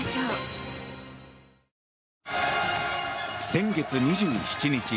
先月２７日